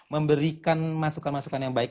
memberikan masukan masukan yang baik